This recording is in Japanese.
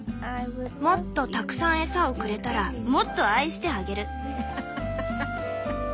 もっとたくさん餌をくれたらもっと愛してあげる」。